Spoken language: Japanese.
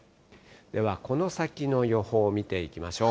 では、この先の予報を見ていきましょう。